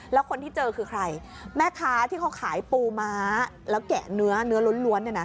แล้วคนที่เจอคือใครแม่ค้าที่เขาขายปูม้าแล้วแกะเนื้อเนื้อล้วนเนี่ยนะ